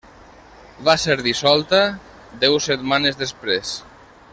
Va ser dissolta deu setmanes després.